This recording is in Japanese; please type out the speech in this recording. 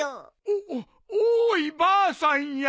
おおいばあさんや。